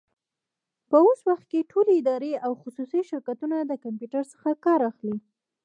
په اوس وخت کي ټولي ادارې او خصوصي شرکتونه د کمپيوټر څخه کار اخلي.